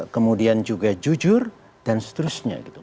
kemudian juga jujur dan seterusnya gitu